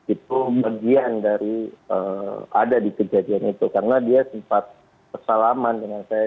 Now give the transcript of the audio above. itu bagian dari ada di kejadian itu karena dia sempat bersalaman dengan saya